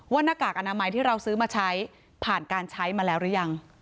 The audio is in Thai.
หน้ากากอนามัยที่เราซื้อมาใช้ผ่านการใช้มาแล้วหรือยัง